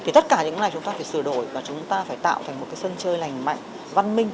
thì tất cả những này chúng ta phải sửa đổi và chúng ta phải tạo thành một cái sân chơi lành mạnh văn minh